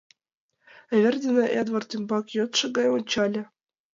Эвердина Эдвард ӱмбак йодшо гай ончале.